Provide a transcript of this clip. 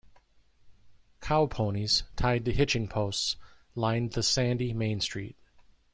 Cow ponies, tied to hitching posts, lined the sandy Main Street.